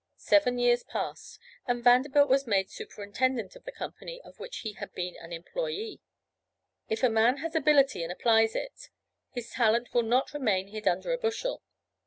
Seven years passed and Vanderbilt was made superintendent of the company of which he had been an employe. If a man has ability and applies it, his talent will not remain hid 'under a bushel.'